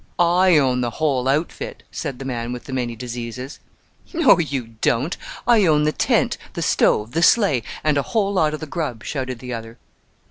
"I own the whole outfit," said the man with the many diseases. "No, you don't; I own the tent, the stove, the sleigh, and a whole lot of the grub," shouted the other.